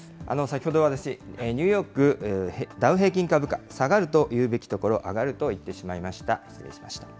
先ほど私、ニューヨークダウ平均株価、下がると言うべきところを、上がると言ってしまいました。